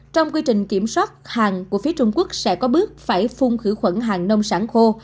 trong quy trình kiểm soát hàng của phía trung quốc sẽ có bước phải phun khử khuẩn hàng nông sản khô